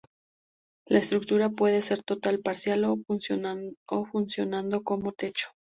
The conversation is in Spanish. La estructura puede ser total, parcial, o funcionando como techo.